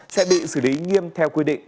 sẽ bị xử lý nghiêm theo quy định